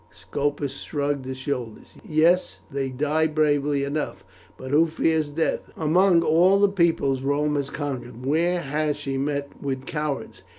Scopus shrugged his shoulders. "Yes, they die bravely enough. But who fears death? Among all the peoples Rome has conquered where has she met with cowards?